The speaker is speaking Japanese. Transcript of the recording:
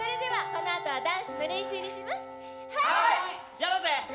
やろうぜ！